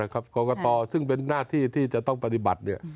กรกตซึ่งเป็นหน้าที่ที่จะต้องปฏิบัติ